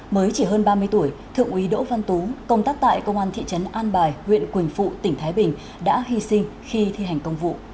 mới chỉ hơn ba mươi tuổi thượng úy đỗ văn tú công tác tại công an thị trấn an bài huyện quỳnh phụ tỉnh thái bình đã hy sinh khi thi hành công vụ